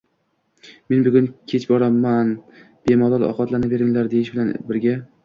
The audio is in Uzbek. "men bugun kech boraman, bemalol ovqatlanaveringlar" deyish bilan birga